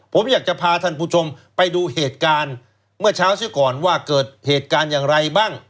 ผมอยากจะพาท่านผู้ชมไปดูเหตุการณ์เมื่อเช้าซิก่อนว่าเกิดเหตุการณ์อย่างไรบ้าง